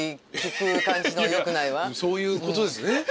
そういうことですね。